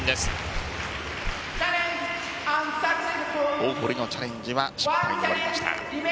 大堀のチャレンジは失敗に終わりました。